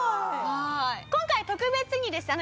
今回特別にですね